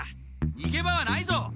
にげ場はないぞ！